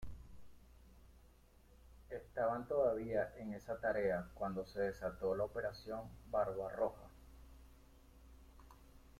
Estaban todavía en esa tarea cuando se desató la Operación Barbarroja.